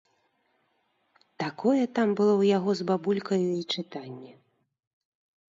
Такое там было ў яго з бабулькаю і чытанне.